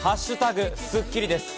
「＃スッキリ」です。